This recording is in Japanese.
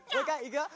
いくよ！